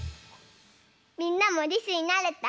みんなもりすになれた？